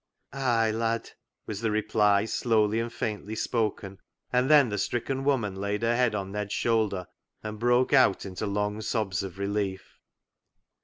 " Ay, lad !" was the reply slowly and faintly spoken, and then the stricken woman laid her head on Ned's shoulder, and broke out into long sobs of relief.